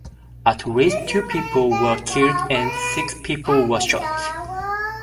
At least two people were killed and six people were shot.